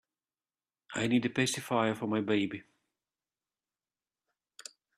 I need a pacifier for my baby.